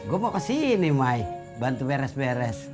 gue mau ke sini mai bantu beres beres